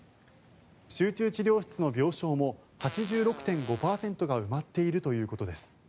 集中治療室の病床も８６．５％が埋まっているということです。